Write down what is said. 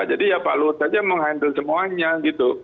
jadi ya pak luhut saja mengandalkan semuanya gitu